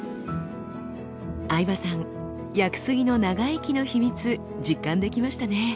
相葉さん屋久杉の長生きの秘密実感できましたね。